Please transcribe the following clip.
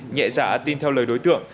nhẹ dã tin theo lời đối tượng